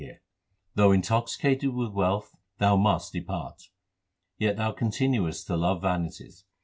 D d 2 404 THE SIKH RELIGION Though intoxicated with wealth thou must depart ; Yet thou continuest to love vanities.